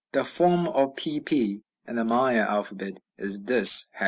The form of pp in the Maya alphabet is this, ###